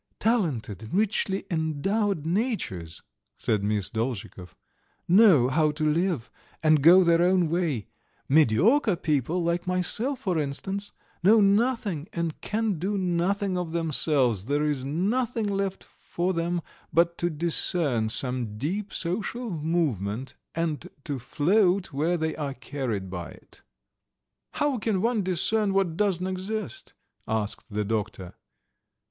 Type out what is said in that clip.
"Talented, richly endowed natures," said Miss Dolzhikov, "know how to live, and go their own way; mediocre people, like myself for instance, know nothing and can do nothing of themselves; there is nothing left for them but to discern some deep social movement, and to float where they are carried by it." "How can one discern what doesn't exist?" asked the doctor.